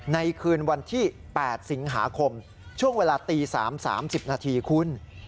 ในคืนวันที่๘สิงหาคมช่วงเวลาตี๓๓๐นาทีคุณ